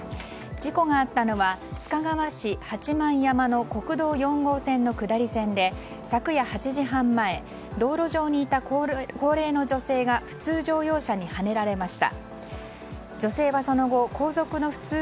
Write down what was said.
事故があったのは須賀川市八幡山の国道４号線の下り線で昨夜８時半前道路上にいた高齢の女性が普通乗用車にはねられました。